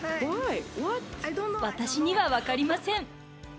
私には分かりません。